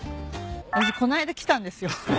私こないだ来たんですよ。